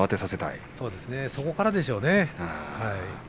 そこからでしょうね。